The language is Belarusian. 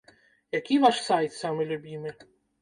Які ваш сайт самы любімы?